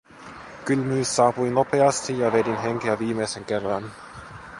Kylmyys saapui nopeasti ja vedin henkeä viimeisen kerran.